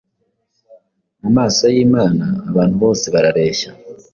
Mu maso y’Imana abantu bose barareshya,